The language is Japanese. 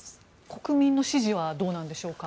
国民の支持はどうなんでしょうか？